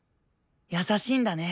優しいんだね！